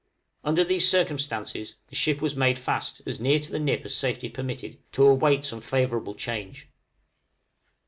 Under these circumstances the ship was made fast as near to the nip as safety permitted, to await some favorable change.